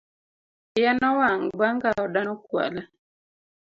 Iya nowang' bang' ka oda nokwale